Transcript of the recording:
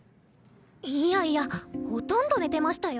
いやいやほとんど寝てましたよ